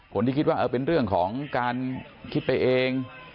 คนที่คิดว่าเป็นเรื่องของการคิดไปเอง